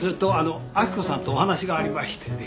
明子さんとお話がありましてね。